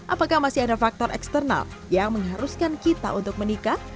apakah masih ada faktor eksternal yang mengharuskan kita untuk menikah